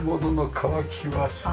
乾きますね。